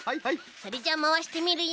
それじゃあまわしてみるよ。